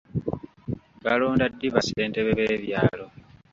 Balonda ddi ba ssentebe b'ebyalo?